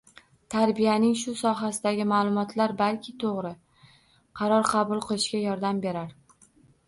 Tarbiyaning shu sohasidagi ma’lumotlar balki to‘g‘ri qaror qabul qilishga yordam berar.